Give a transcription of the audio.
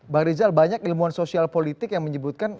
bang rizal banyak ilmuwan sosial politik yang menyebutkan